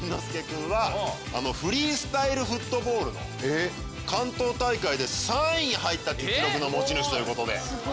介君はフリースタイルフットボールの関東大会で３位に入った実力の持ち主ということで。